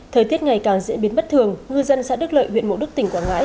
thời tiết ngày càng diễn biến bất thường ngư dân xã đức lợi huyện mộ đức tỉnh quảng ngãi